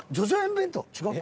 弁当